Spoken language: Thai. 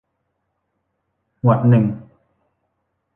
หมวดหนึ่ง